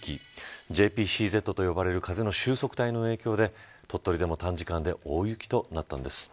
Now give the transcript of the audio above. ＪＰＣＺと呼ばれる風の収束帯の影響で鳥取でも短時間で大雪となったんです。